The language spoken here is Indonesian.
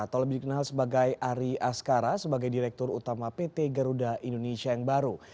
atau lebih dikenal sebagai ari askara sebagai direktur utama pt garuda indonesia yang baru